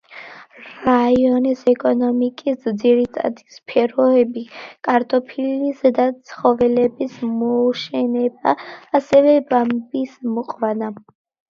რაიონის ეკონომიკის ძირითადი სფეროებია, კარტოფილის და ცხოველების მოშენება, ასევე ბამბის მოყვანა.